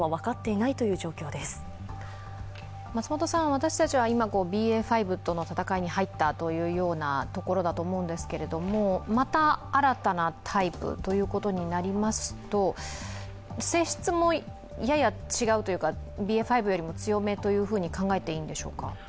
私たちは今、ＢＡ．５との戦いに入ったところだと思うんですけども、また新たなタイプということになりますと性質もやや違うというか、ＢＡ．５よりも強めと考えていいですか？